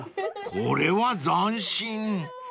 ［これは斬新］